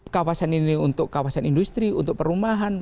kawasan ini untuk kawasan industri untuk perumahan